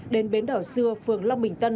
đến bến đảo xưa phường long bình tân